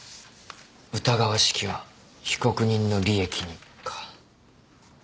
疑わしきは被告人の利益にか。